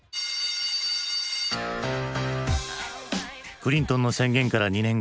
クリントンの宣言から２年後。